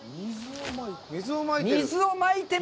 水をまいてる？